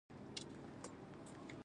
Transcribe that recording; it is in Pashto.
ایا زه باید چکنی وخورم؟